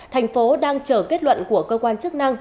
thành phố đang chờ kết luận của cơ quan chức năng